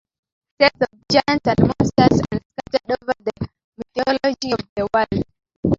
Tales of giants and monsters are scattered over the mythology of the world.